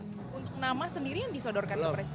untuk nama sendiri yang disodorkan ke presiden